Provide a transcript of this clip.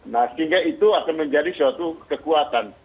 nah sehingga itu akan menjadi suatu kekuatan